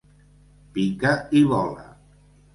Pica i vola.